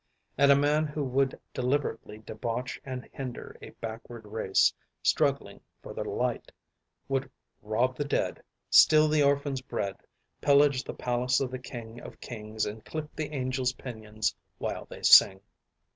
And a man who would deliberately debauch and hinder a backward race, struggling for the light, would "rob the dead, steal the orphan's bread, pillage the palace of the King of Kings, and clip the angels' pinions while they sing."